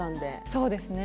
そうですね。